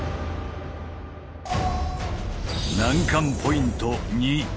難関ポイント２。